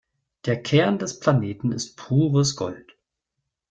Der Kern des Planeten ist pures Gold.